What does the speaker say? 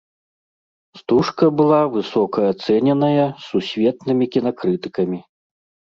Стужка была высока ацэненая сусветнымі кінакрытыкамі.